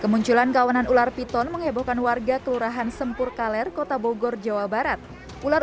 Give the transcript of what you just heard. kemunculan kawanan ular piton mengebohkan warga kelurahan sempur kaler kota bogor jawa barat ular